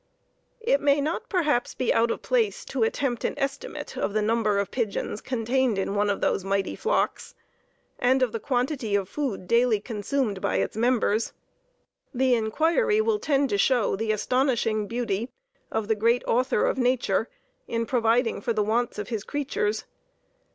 It may not, perhaps, be out of place to attempt an estimate of the number of pigeons contained in one of those mighty flocks, and of the quantity of food daily consumed by its members. The inquiry will tend to show the astonishing beauty of the great Author of Nature in providing for the wants of His creatures.